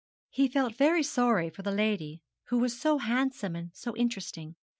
He felt very sorry for the lady, who was so handsome, and so interesting.